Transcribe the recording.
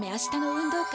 運動会？